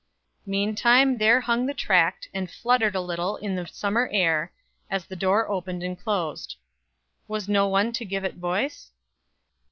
Meantime there hung the tract, and fluttered a little in the summer air, as the door opened and closed. Was no one to give it voice?